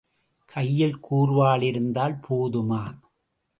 கையில் கூர்வாள் இருந்தால் போதுமா?